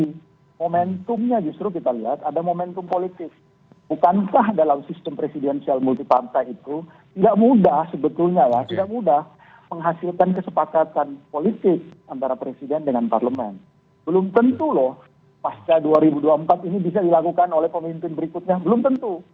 jadi momentumnya justru kita lihat ada momentum politik bukankah dalam sistem presidensial multipartai itu tidak mudah sebetulnya tidak mudah menghasilkan kesepakatan politik antara presiden dengan parlemen belum tentu loh pasca dua ribu dua puluh empat ini bisa dilakukan oleh pemimpin berikutnya belum tentu